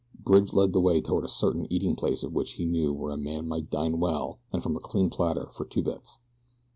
Bridge led the way toward a certain eating place of which he knew where a man might dine well and from a clean platter for two bits.